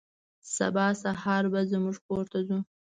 سبا سهار به زموږ کور ته ځو.